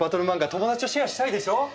友達とシェアしたいでしょ？